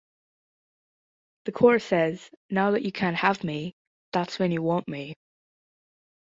The chorus says Now that you can't have me, that's when you want me.